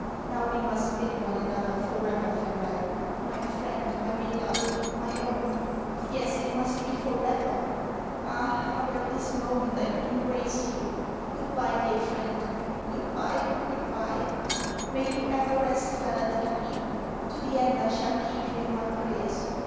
Now we must bid one another forever farewell, my friend, my beloved, my own! Yes, it must be forever! Ah, how at this moment I could embrace you! Goodbye, dear friend goodbye, goodbye! May you ever rest well and happy! To the end I shall keep you in my prayers.